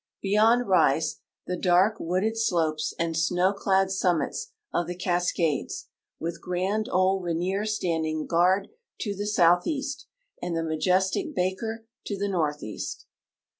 Beyond rise the dark, wooded slopes and snow clad summits of the Cascades, with grand old Rainier standing guard to the southeast and the majestic Baker to the northeast.